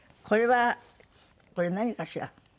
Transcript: これはこれ何かしら？